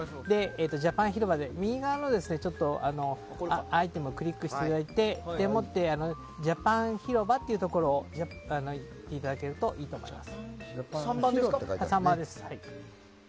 ジャパン広場で右側をクリックしてもらってジャパン広場というところに行っていただけるといいと思います。